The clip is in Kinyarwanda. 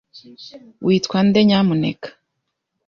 Witwa nde, nyamuneka?